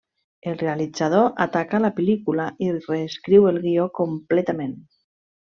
El realitzador ataca la pel·lícula i reescriu el guió completament.